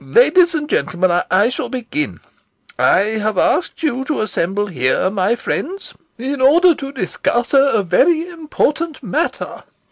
Ladies and gentlemen, I shall begin. I have asked you to assemble here, my friends, in order to discuss a very important matter.